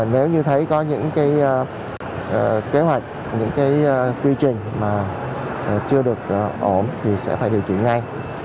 nếu như thấy có những cái kế hoạch những cái quy trình mà chưa được ổn thì sẽ phải điều chỉnh ngay